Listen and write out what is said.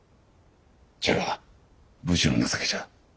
じゃが武士の情けじゃ。